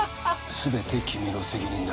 全て君の責任だ。